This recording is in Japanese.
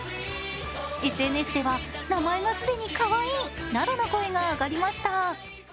ＳＮＳでは名前が既にかわいいなどの声が上がりました。